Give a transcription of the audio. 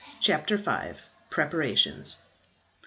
CHAPTER V. PREPARATIONS.